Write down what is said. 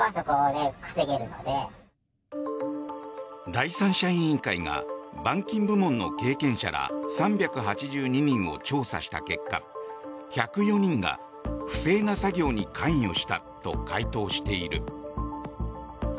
第三者委員会が板金専門の経験者ら３８２人を調査した結果１０４人が不正な作業に関与したと回答している。